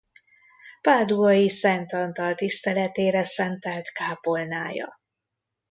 Páduai Szent Antal tiszteletére szentelt kápolnája.